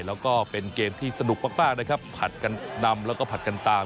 แล้วก็เป็นเกมที่สนุกมากนะครับผัดกันนำแล้วก็ผัดกันตาม